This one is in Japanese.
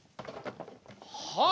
はい。